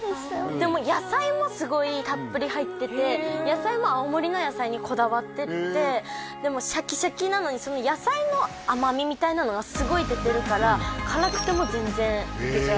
でも野菜もすごいたっぷり入ってて野菜も青森の野菜にこだわっててでもうシャキシャキなのに野菜の甘みみたいなのがすごい出てるから辛くても全然いけちゃう？